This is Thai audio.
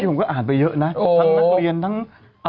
นี่ผมก็อ่านไปเยอะนะทั้งนักเรียน